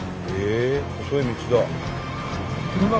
ええ細い道だ。